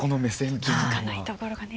気づかないところがね。